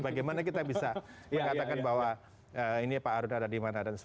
bagaimana kita bisa mengatakan bahwa ini pak arud ada dimana